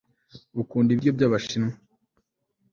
ukunda ibiryo by'abashinwa